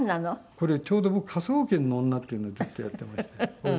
これちょうど僕『科捜研の女』っていうのをずっとやっていましてそれで。